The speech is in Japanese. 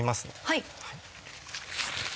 はい。